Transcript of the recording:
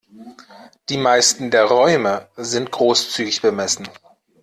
Die meisten der Räume sind großzügig bemessen.